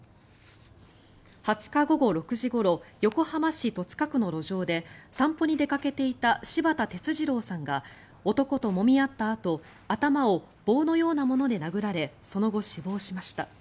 ２０日午後６時ごろ横浜市戸塚区の路上で散歩に出かけていた柴田哲二郎さんが男ともみ合ったあと頭を棒のようなもので殴られその後、死亡しました。